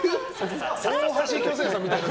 大橋巨泉さんみたいな。